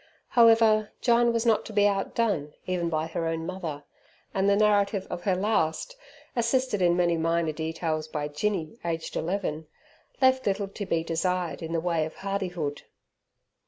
However, Jyne was not to be outdone even by her own mother, and the narrative of her last, assisted in many minor details by Jinny, aged eleven, left little to be desired in the way of hardihood.